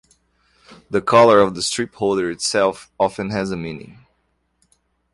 The color of the strip holder itself often has a meaning.